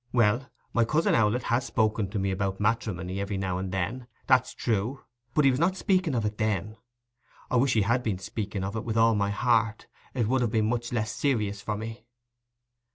'Well, my cousin Owlett has spoken to me about matrimony, every now and then, that's true; but he was not speaking of it then. I wish he had been speaking of it, with all my heart. It would have been much less serious for me.